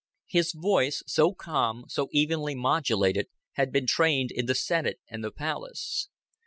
His voice, so calm, so evenly modulated, had been trained in the senate and the palace.